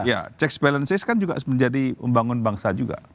jadi ya checks balances kan juga menjadi membangun bangsa juga